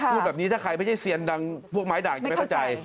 พูดแบบนี้ถ้าใครไม่ใช่เซียนดังพวกไม้ด่างจะไม่เข้าใจ